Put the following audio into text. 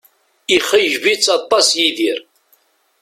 Ixeyyeb-itt aṭas Yidir